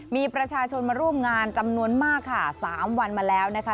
มีประชาชนมาร่วมงานจำนวนมากค่ะ๓วันมาแล้วนะคะ